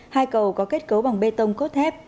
hai cầu có kết cấu bằng bê tông cốt thép